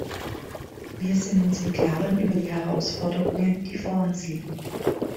Wir sind uns im Klaren über die Herausforderungen, die vor uns liegen.